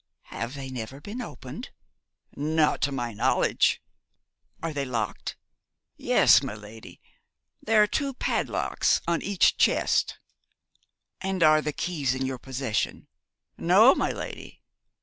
'Have they never been opened?' 'Not to my knowledge.' 'Are they locked?' 'Yes, my lady. There are two padlocks on each chest.' 'And are the keys in your possession?' 'No, my lady.'